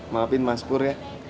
maafin mas pur ya